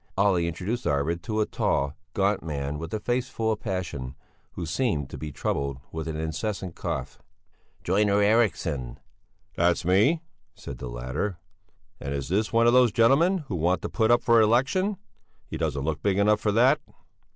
Olle introduced Arvid to a tall, gaunt man with a face full of passion, who seemed to be troubled with an incessant cough. "Joiner Eriksson!" "That's me," said the latter, "and is this one of those gentlemen who want to put up for election? He doesn't look big enough for that."